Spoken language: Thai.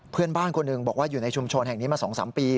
เพื่อนบ้านคนหนึ่งบอกว่าอยู่ในชุมชนแห่งนี้มา๒๓ปี